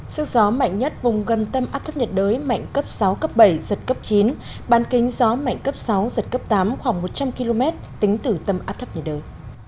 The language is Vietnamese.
sức gió mạnh nhất vùng gần tâm áp thấp nhiệt đới mạnh cấp sáu cấp bảy giật cấp chín ban kính gió mạnh cấp sáu giật cấp tám khoảng một trăm linh km tính từ tâm áp thấp nhiệt đới